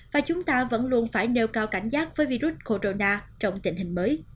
và chúng ta vẫn luôn phải nêu cao cảnh giác với virus corona trong tình hình mới